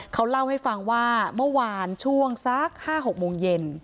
เขาเล่าให้ฟังว่าเมื่อวานช่วงสัก๕๖โมงเย็น